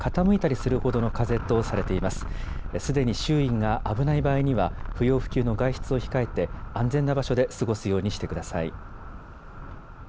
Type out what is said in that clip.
すでに周囲が危ない場合には不要不急の外出を控えて安全な場所で過ごすようにしてください。